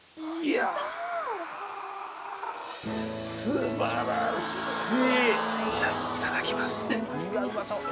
素晴らしい！